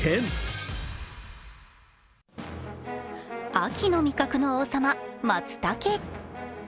秋の味覚の王様、まつたけ。